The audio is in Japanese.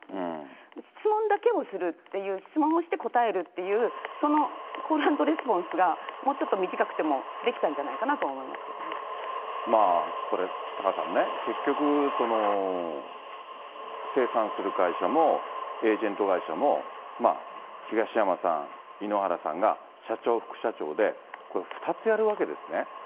質問だけをするっていう、質問をして答えるっていう、コール＆レスポンスがもうちょっと短くてもできたんじゃないかなこれタカさんね、結局、清算する会社も、エージェント会社も、東山さん、井ノ原さんが社長、副社長で、これ２つやるわけですよね。